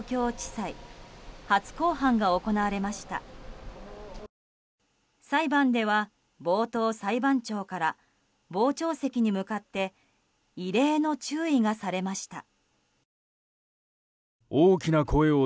裁判では冒頭、裁判長から傍聴席に向かって異例の注意がされました。